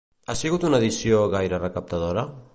Ha sigut una edició gaire recaptadora?